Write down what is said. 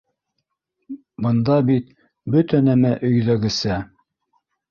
Бында бит бөтә нәмә өйҙәгесә.